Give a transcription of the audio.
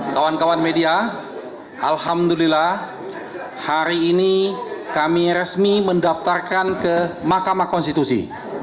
kawan kawan media alhamdulillah hari ini kami resmi mendaftarkan ke mahkamah konstitusi